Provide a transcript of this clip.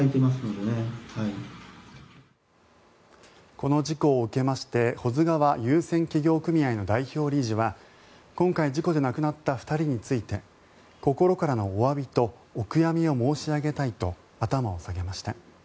この事故を受けまして保津川遊船企業組合の代表理事は今回事故で亡くなった２人について心からのおわびとお悔やみを申し上げたいと頭を下げました。